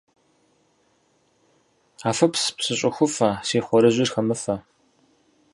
Афыпс, псы щӀыхуфэ, си хуарэжьыр хэмыфэ.